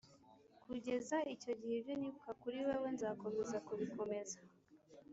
kugeza icyo gihe ibyo nibuka kuri wewe nzakomeza kubikomeza,